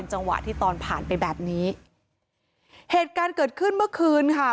จังหวะที่ตอนผ่านไปแบบนี้เหตุการณ์เกิดขึ้นเมื่อคืนค่ะ